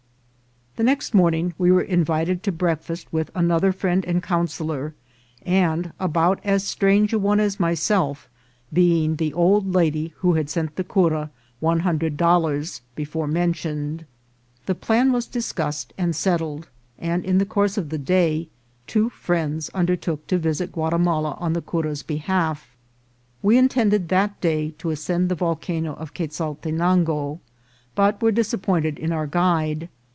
The next morning we were invited to breakfast with another friend and counsellor, and about as strange a one as myself, being the old lady who had sent the cura one hundred dollars, before mentioned. The plan THERMAL SPRINGS. 219 was discussed and settled, and in the course of the day two friends undertook to visit Guatimala on the cura's behalf. We intended that day to ascend the Volcano of Quezaltenango, but were disappointed in our guide.